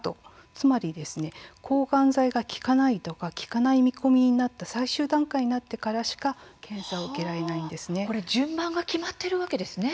つまり、抗がん剤が効かないとか効かない見込みになった最終段階になってからしか検査が受けられないことになっているんです。